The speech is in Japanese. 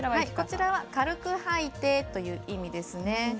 こちらは軽く掃いてという意味です。